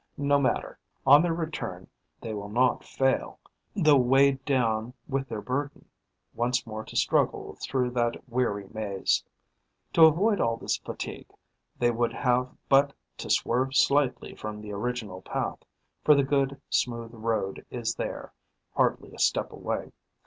No matter: on their return, they will not fail, though weighed down with their burden, once more to struggle through that weary maze. To avoid all this fatigue, they would have but to swerve slightly from the original path, for the good, smooth road is there, hardly a step away.